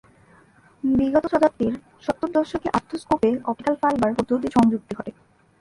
বিগত শতাব্দীর সত্তরদশকে আর্থ্রস্কোপে অপটিক্যাল ফ্যাইবার পদ্ধতির সংযুক্তি ঘটে।